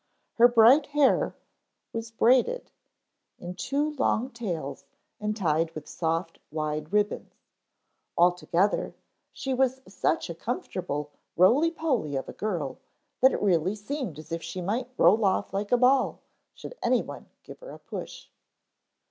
Her bright hair was braided in two long tails and tied with soft, wide ribbons. Altogether she was such a comfortable roly poly of a girl, that it really seemed as if she might roll off like a ball should anyone give her a push.